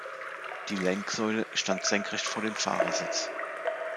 Die Lenksäule stand senkrecht vor dem Fahrersitz.